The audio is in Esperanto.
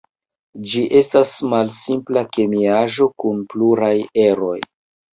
Ĝi estas malsimpla kemiaĵo kun pluraj eroj.